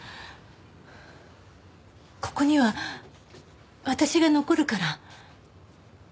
ここには私が残るから。